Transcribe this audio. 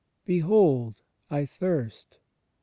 Behold, a thirst'*..."